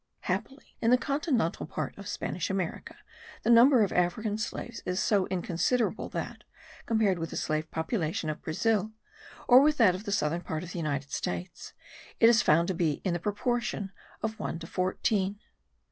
Happily, in the continental part of Spanish America, the number of African slaves is so inconsiderable that, compared with the slave population of Brazil, or with that of the southern part of the United States, it is found to be in the proportion of one to fourteen.